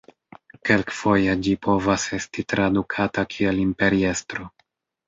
Kelkfoje ĝi povas esti tradukata kiel imperiestro.